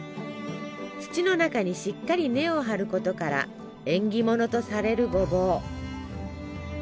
土の中にしっかり根を張ることから縁起物とされるごぼう。